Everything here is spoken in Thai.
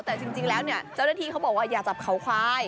แต่จริงแล้วเนี่ยเจ้าหน้าที่เขาบอกว่าอย่าจับเขาควาย